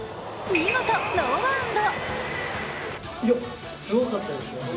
見事、ノーバウンド。